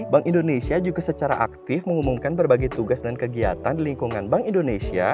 bank indonesia juga secara aktif mengumumkan berbagai tugas dan kegiatan di lingkungan bank indonesia